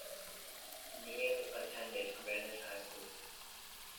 Neal attended Granite High School.